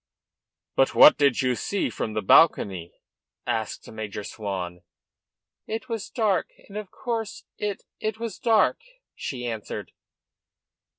"But what did you see from the balcony?" asked Major Swan. "It was night, and of course it it was dark," she answered.